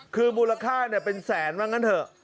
คือมูลค่าเป็นแสนว่างั้นเถอะ